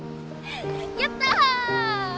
やった！